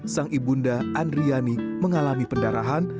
sang ibunda andriani mengalami pendarahan